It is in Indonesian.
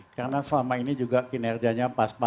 karena selama ini kinerjanya pas pasan